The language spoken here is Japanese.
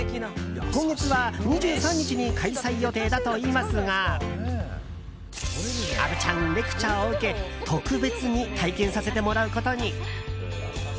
今月は２３日に開催予定だといいますが虻ちゃん、レクチャーを受け特別に体験させてもらうことに。